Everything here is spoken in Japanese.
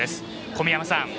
小宮山さん